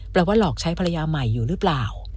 ว่าหลอกใช้ภรรยาใหม่อยู่หรือเปล่า